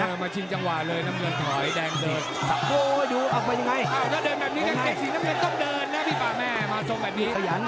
เออมาชิงจังหวะเลยน้ำเงินถอยแดงส่วน